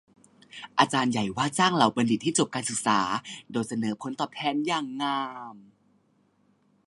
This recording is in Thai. อาจารย์ใหญ่ว่าจ้างเหล่าบัณฑิตที่จบการศึกษาโดยเสนอผลตอบแทนอย่างงาม